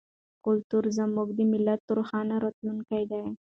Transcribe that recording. کلتور زموږ د ملت روښانه راتلونکی دی.